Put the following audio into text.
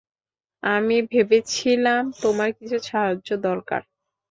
আমি ভেবেছিলাম তোমার কিছু সাহায্য দরকার।